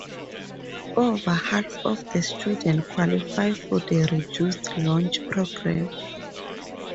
Over half of the student qualify for the reduced lunch program.